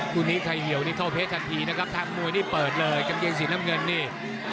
คู่นี้ใครเหี่ยวนี่เข้าเพชรทันทีนะครับทางมวยนี่เปิดเลยกางเกงสีน้ำเงินนี่